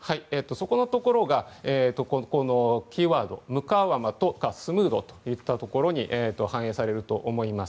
そこのところがキーワードムカーワマとスムードといったところに反映されると思います。